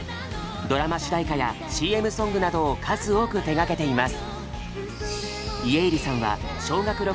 ドラマ主題歌やＣＭソングなどを数多く手がけています。